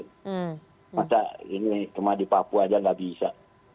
tapi masa ini cuma di papua aja gak bisa